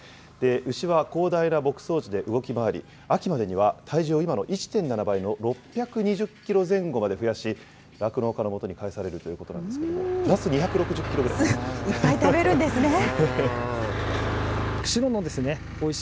牛は広大な牧草地で動き回り、秋までには体重を今の１．７倍の６２０キロ前後まで増やし、酪農家のもとに帰されるということなんですけれども、２６０キロなんですけれども。